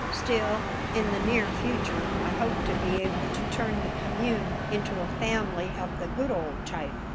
Still, in the near future I hope to be able to turn the commune into a family of the good old type.